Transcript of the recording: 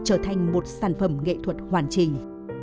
để trở thành một sản phẩm nghệ thuật hoàn trình